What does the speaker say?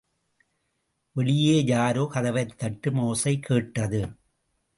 வெளியே யாரோ கதவைத்தட்டும் ஓசை கேட்டது.